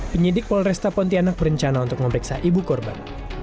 penyidik polresta pontianak berencana untuk memeriksa ibu korban